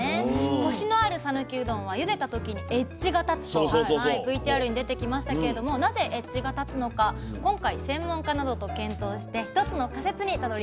コシのある讃岐うどんはゆでた時にエッジが立つとＶＴＲに出てきましたけれどもなぜエッジが立つのか今回専門家などと検討して一つの仮説にたどりつきました。